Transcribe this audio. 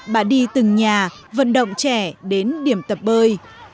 bà đi từng nhà vận động trẻ đến điểm tập bơi